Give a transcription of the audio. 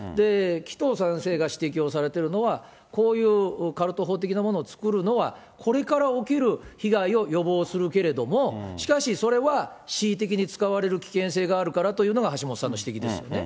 紀藤先生が指摘をされているのは、こういうカルト法的なものを作るのは、これから起きる被害を予防するけれども、しかし、それは恣意的に使われる危険性があるからというのが、橋下さんの指摘ですよね。